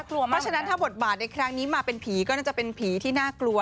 เพราะฉะนั้นถ้าบทบาทในครั้งนี้มาเป็นผีก็น่าจะเป็นผีที่น่ากลัว